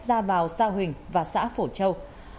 ra vào sa huỳnh và xã phổ châu